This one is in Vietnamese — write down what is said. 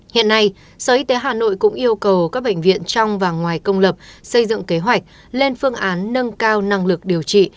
hiện nay sở y tế hà nội cũng yêu cầu các bệnh viện trong và ngoài công lập xây dựng kế hoạch lên phương án nâng cao năng lực điều trị